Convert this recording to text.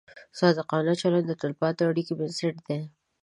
صادقانه چلند د تلپاتې اړیکې بنسټ دی.